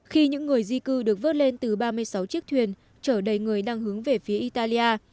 khi những người di cư được vớt lên từ ba mươi sáu chiếc thuyền trở đầy người đang hướng về phía italia